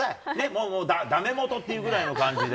もうもう、だめもとっていうぐらいの感じで。